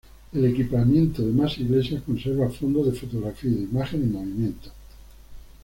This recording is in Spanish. El equipamiento de Mas Iglesias conserva fondo de fotografía y de imagen en movimiento.